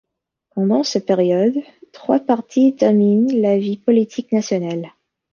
Pendant cette période, trois partis dominent la vie politique nationale.